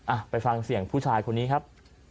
อ่ะไปฟังเสียงผู้ชายคนนี้ครับ